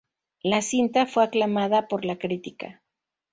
La cinta fue aclamada por la crítica.